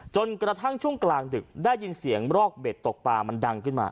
จนกระทั่งช่วงกลางดึกได้ยินเสียงรอกเบ็ดตกปลามันดังขึ้นมา